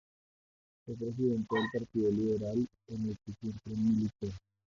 Fue presidente del partido Liberal, en el que siempre militó.